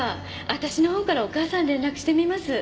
私の方からお母さんに連絡してみます。